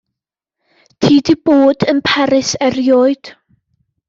Ti 'di bod yn Paris erioed?